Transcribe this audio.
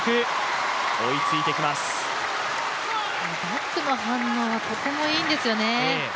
バックの反応は、とてもいいんですよね。